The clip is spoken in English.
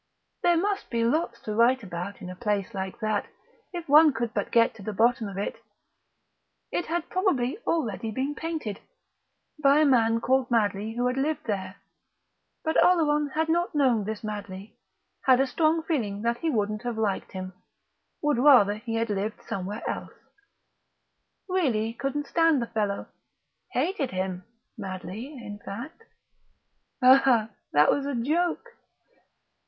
There must be lots to write about in a place like that if one could but get to the bottom of it! It had probably already been painted, by a man called Madley who had lived there ... but Oleron had not known this Madley had a strong feeling that he wouldn't have liked him would rather he had lived somewhere else really couldn't stand the fellow hated him, Madley, in fact. (Aha! That was a joke!).